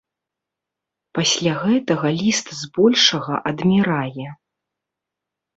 Пасля гэтага ліст збольшага адмірае.